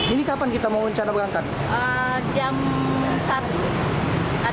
ini kapan kita mau rencana berangkat